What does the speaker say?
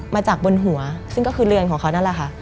มาจากบนหัวซึ่งก็คือเรือนของเขานั่นแหละค่ะ